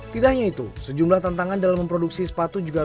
tidak hanya itu sejumlah tantangan dalam memproduksi sepatu juga